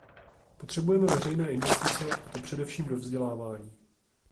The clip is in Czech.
Potřebujeme veřejné investice, a to především do vzdělávání.